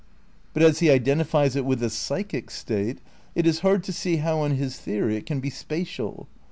But as he identifies it with the psychic state it is hard to see how, on his theory, it can be spatial.